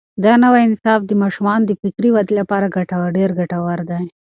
دا نوی نصاب د ماشومانو د فکري ودې لپاره ډېر ګټور دی.